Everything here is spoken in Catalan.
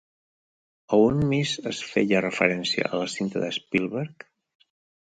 A on més es feia referència a la cinta de Spielberg?